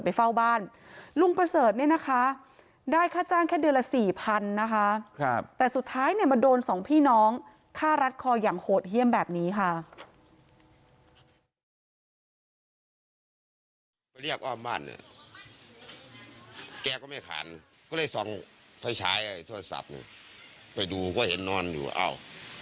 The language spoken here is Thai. แกก็ไม่ขาดก็เลยส่องไฟฉายไฟโทรศัพท์ไปดูก็เห็นนอนอยู่เอ้า